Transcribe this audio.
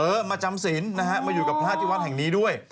มาจำศิลป์นะฮะมาอยู่กับพระที่วัดแห่งนี้ด้วย